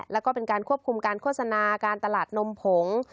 แล้วก็เป็นการควบคุมการโฆษณาการตลาดนมผง